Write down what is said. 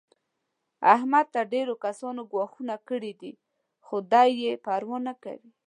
احمد ته ډېرو کسانو ګواښونه کړي دي. خو دی یې پروا نه لري.